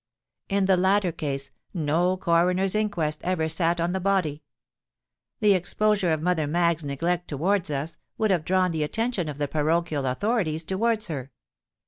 In the latter case, no Coroner's Inquest ever sate on the body: the exposure of Mother Maggs's neglect towards us, would have drawn the attention of the parochial authorities towards her.